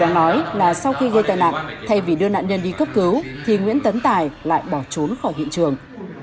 nói là sau khi gây tai nạn thay vì đưa nạn nhân đi cấp cứu thì nguyễn tấn tài lại bỏ trốn khỏi hiện trường